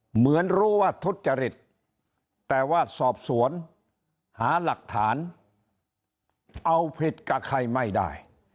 เหมือนรู้ว่าทุจริตแต่ว่าสอบสวนหาหลักฐานเอาผิดกับใครไม่ได้